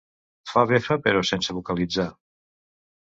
Fa befa però sense vocalitzar.